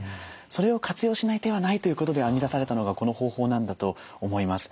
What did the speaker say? それを活用しない手はないということで編み出されたのがこの方法なんだと思います。